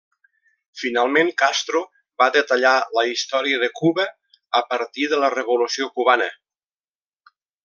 Finalment, Castro va detallar la història de Cuba a partir de la revolució cubana.